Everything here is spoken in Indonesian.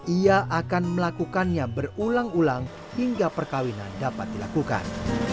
ia akan melakukannya berulang ulang hingga perkawinan dapat dilakukan